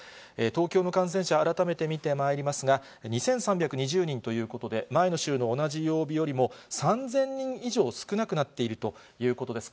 東京の感染者、改めて見てまいりますが、２３２０人ということで、前の週の同じ曜日よりも３０００人以上少なくなっているということです。